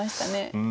うん。